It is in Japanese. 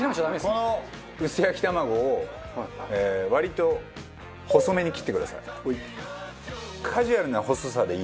この薄焼き玉子を割と細めに切ってください。